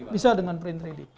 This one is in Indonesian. bisa dengan print tiga d